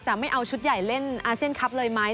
ไม่เอาชุดใหญ่เล่นอาเซียนคลับเลยไหม